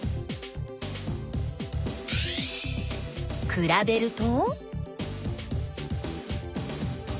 くらべると？